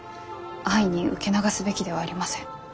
安易に受け流すべきではありません。